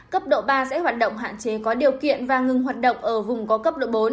cấp độ ba sẽ hoạt động hạn chế có điều kiện và ngừng hoạt động ở vùng có cấp độ bốn